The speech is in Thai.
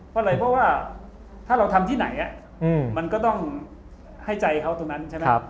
เพราะอะไรเพราะว่าถ้าเราทำที่ไหนมันก็ต้องให้ใจเขาตรงนั้นใช่ไหม